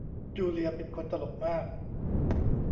จูเลียเป็นคนตลกมาก